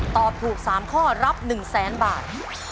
ตอบถูก๓ข้อรับ๑๐๐๐๐๐บาท